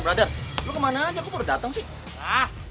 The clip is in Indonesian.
hei brother lu kemana aja kok baru dateng sih